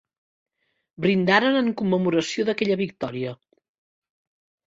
Brindaren en commemoració d'aquella victòria.